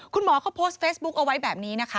คุณหมอเขาโพสต์เฟซบุ๊คเอาไว้แบบนี้นะคะ